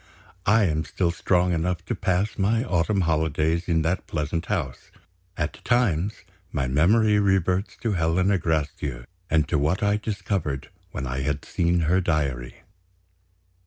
I am still strong enough to pass my autumn holidays in that pleasant house. At times, my memory reverts to Helena Gracedieu, and to what I discovered when I had seen her diary.